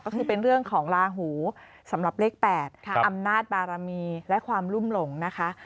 ก็คือเป็นเรื่องของลาหูสำหรับเลข๘อำนาจบารมีและความรุ่มหลงนะคะ